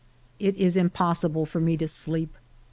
It is impossible for me to sleep.